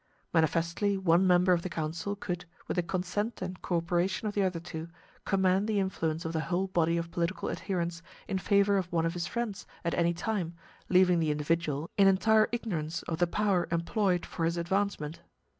Manifestly one member of the council could, with the consent and cooperation of the other two, command the influence of the whole body of political adherents in favor of one of his friends, at any time, leaving the individual in entire ignorance of the power employed for his advancement.